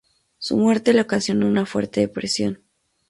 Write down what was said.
Su muerte le ocasionó una fuerte depresión.